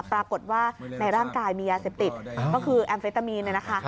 ปรากฏว่าในร่างกายมียาเสพติดก็คือแอมเฟตามีน